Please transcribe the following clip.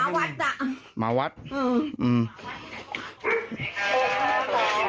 หมาพันธุ์หมาวัดจ้ะ